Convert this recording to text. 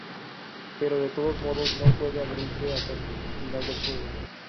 Pero, de todos modos, no puede abrirse hasta el final del juego.